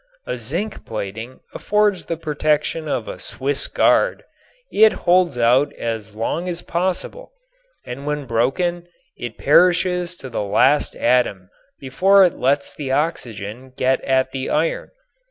A zinc plating affords the protection of a Swiss Guard, it holds out as long as possible and when broken it perishes to the last atom before it lets the oxygen get at the iron.